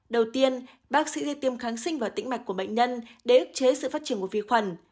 đầu tiên bác sĩ đi tiêm kháng sinh và tĩnh mạch của bệnh nhân để ức chế sự phát triển của vi khuẩn